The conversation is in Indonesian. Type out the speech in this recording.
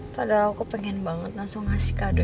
padahal aku pengen banget langsung ngasih kado